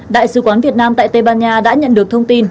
đại sứ quán việt nam tại tây ban nha đã nhận được thông tin